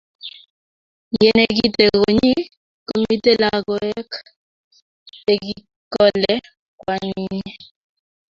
Ye negite konyi kokimi logoek chekikole kwaninyi